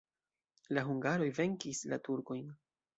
La hungaroj venkis la turkojn.